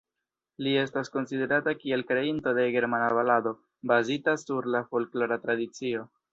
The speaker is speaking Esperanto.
Li estas konsiderata kiel kreinto de germana balado, bazita sur la folklora tradicio.